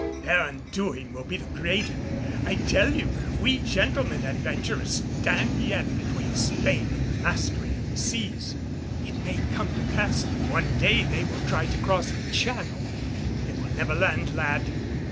Their undoing will be the greater. I tell you, we gentlemen adventurers stand yet between Spain and the mastery of the seas. It may come to pass that one day they will try to cross the channel, they will never land, lad.